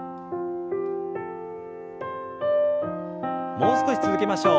もう少し続けましょう。